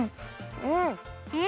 うん。